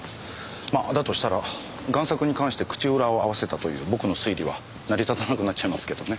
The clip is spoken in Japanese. だとしたら贋作に関して口裏を合わせたという僕の推理は成り立たなくなっちゃいますけどね。